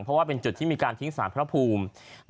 เพราะว่าเป็นจุดที่มีการทิ้งสารพระภูมิ